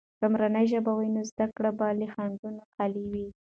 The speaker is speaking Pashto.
که مورنۍ ژبه وي، نو زده کړه به له خنډونو خالي وي.